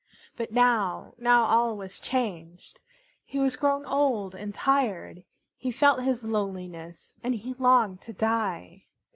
But now, now all was changed. He was grown old and tired. He felt his loneliness and he longed to die.